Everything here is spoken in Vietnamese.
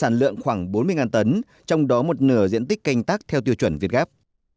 sản lượng khoảng bốn mươi tấn trong đó một nửa diện tích canh tác theo tiêu chuẩn việt gáp